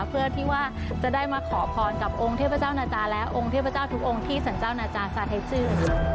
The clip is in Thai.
เพื่อที่ว่าจะได้มาขอพรกับองค์เทพเจ้านาจารและองค์เทพเจ้าทุกองค์ที่สรรเจ้านาจารย์ไทยชื่อ